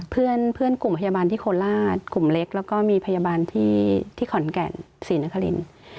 เพื่อนกลุ่มพยาบาลที่โคราชกลุ่มเล็กแล้วก็มีพยาบาลที่ขอนแก่นศรีนครินทร์